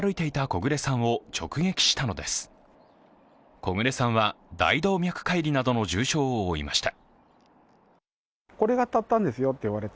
木暮さんは、大動脈解離などの重傷を負いました。